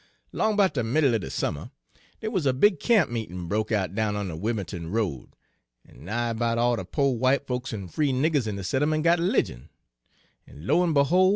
" 'Long 'bout de middle er de summer dey wuz a big camp meetin' broke out down on de Wim'l'ton Road, en nigh 'bout all de po' w'ite folks en free niggers in de settlement got 'ligion, en lo en behol'!